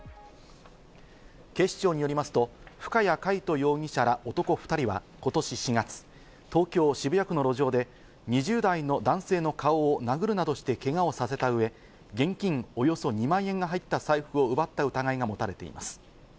警視庁によりますと、深谷海斗容疑者ら男２人は今年４月、東京・渋谷区の路上で、２０代の男性の顔を殴るなどしてけがをさせた上、現金およそ２万円が入った財布を奪った疑いが持たれています。